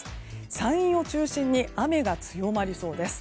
山陰を中心に雨が強まりそうです。